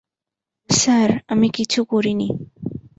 Sir, আমি কিছু করিনি।